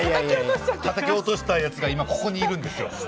たたき落としたやつが今ここにいるんですよ。